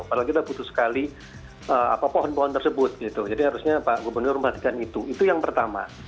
padahal kita butuh sekali pohon pohon tersebut gitu jadi harusnya pak gubernur mematikan itu itu yang pertama